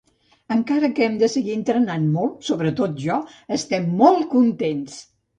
Encara que hem de seguir entrenant molt, sobretot jo, estem molt contents!